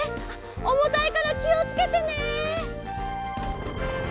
おもたいからきをつけてね！